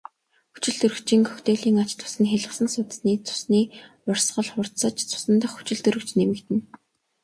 Хүчилтөрөгчийн коктейлийн ач тус нь хялгасан судасны цусны урсгал хурдсаж цусан дахь хүчилтөрөгч нэмэгдэнэ.